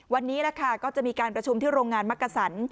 วันนี้แหละค่ะก็จะมีการประชุมที่โรงงานมักกะสัน